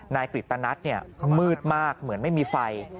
นายกฤตนัทมืดมากเหมือนไม่มีไฟ